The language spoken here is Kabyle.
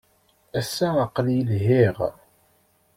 Ass-a, aql-iyi lhiɣ.